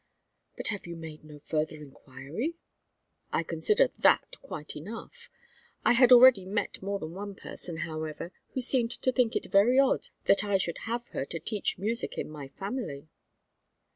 "But have you made no further inquiry?" "I consider that quite enough. I had already met more than one person, however, who seemed to think it very odd that I should have her to teach music in my family."